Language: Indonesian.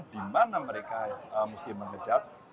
dimana mereka mesti mengejar